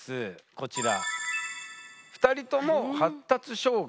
こちら。